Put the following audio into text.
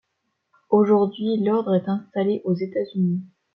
Aujourd'hui l'ordre est installé aux États-Unis.